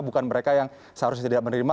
bukan mereka yang seharusnya tidak menerima